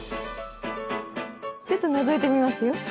ちょっとのぞいてみますよ。